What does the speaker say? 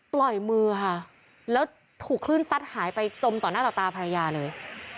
มือค่ะแล้วถูกคลื่นซัดหายไปจมต่อหน้าต่อตาภรรยาเลย